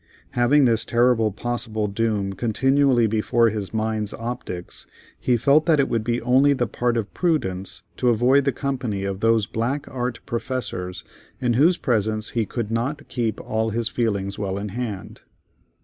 Having this terrible possible doom continually before his mind's optics, he felt that it would be only the part of prudence to avoid the company of those black art professors in whose presence he could not keep all his feelings well in hand.